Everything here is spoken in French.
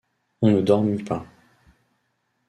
On ne dormit pas.